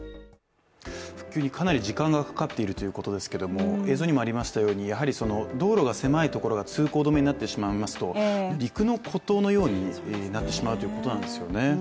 復旧にかなり時間がかかっているということですけども、映像にもありましたようにやはり道路が狭いところが通行止めになってしまいますと、陸の孤島のようになってしまうということなんですよね。